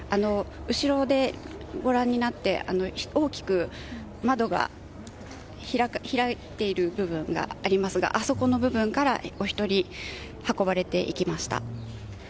後ろで、ご覧になって大きく窓が開いている部分がありますがあそこの部分からお一人運ばれていきました。